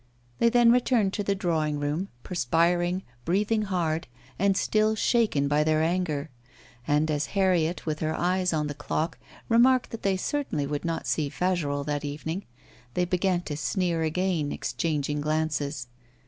They then returned to the drawing room, perspiring, breathing hard, and still shaken by their anger. And as Henriette, with her eyes on the clock, remarked that they certainly would not see Fagerolles that evening, they, began to sneer again, exchanging glances.